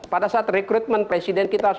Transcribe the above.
pada saat rekrutmen presiden kita harus